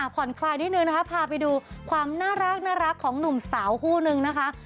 ผ่อนคลายนิดนึงนะคะพาไปดูความน่ารักของหนุ่มสาวคู่นึงนะคะ